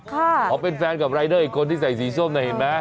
เขาเป็นแฟนกับรายเดอร์อีกคนที่ใส่สีส้มน่ะเห็นไหม